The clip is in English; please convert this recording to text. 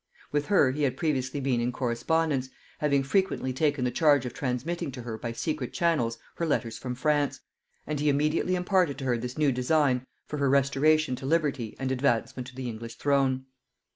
With her he had previously been in correspondence, having frequently taken the charge of transmitting to her by secret channels her letters from France; and he immediately imparted to her this new design for her restoration to liberty and advancement to the English throne.